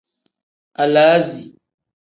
Alaazi.